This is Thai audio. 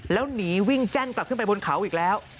แล้วหนีวิ่งแจ้นกลับขึ้นไปบนเขาอีกแล้ว